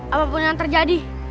apapun yang terjadi